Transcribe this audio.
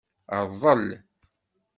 Rḍel.